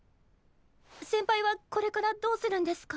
先輩はこれからどうするんですか？